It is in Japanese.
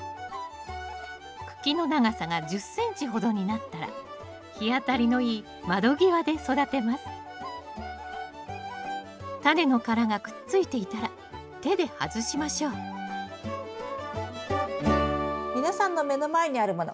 茎の長さが１０ｃｍほどになったらタネの殻がくっついていたら手で外しましょう皆さんの目の前にあるもの